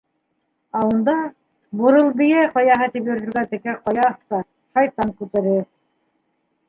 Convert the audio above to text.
Ә унда - «Бурылбейә ҡаяһы» тип йөрөтөлгән текә ҡая, аҫта - Шайтан күтере.